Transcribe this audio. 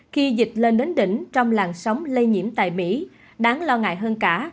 khi dịch lên đến đỉnh trong làn sóng lây nhiễm tại mỹ đáng lo ngại hơn cả